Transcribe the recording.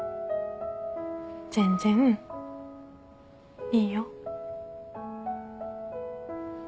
全然いいよ。